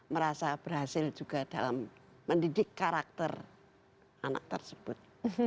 merasa berhasil juga dalam mendidik karakter anak tersebut